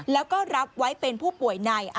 แล้วก็รับไว้เป็นผู้ป่วยใน